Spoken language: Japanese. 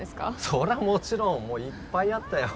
それはもちろんもういっぱいあったよ